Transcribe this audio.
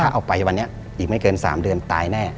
ถ้าเอาไปวันนี้อีกไม่เกิน๓เดือนตายแน่